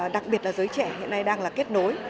đặc biệt là giới trẻ hiện nay đang là kết nối